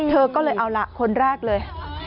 เธอก็เลยเอาล่ะคนแรกเลย